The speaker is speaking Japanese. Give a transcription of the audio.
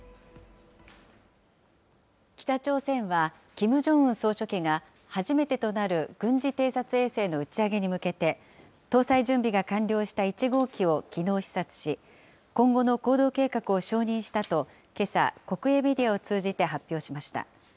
北朝鮮は、キム・ジョンウン総書記が、初めてとなる軍事偵察衛星の打ち上げに向けて、搭載準備が完了した１号機をきのう視察し、今後の行動計画を承認したと、けさ、国営メディアを通じて発表しました。